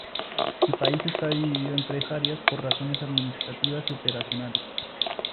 El país está dividido en tres áreas por razones administrativas y operacionales.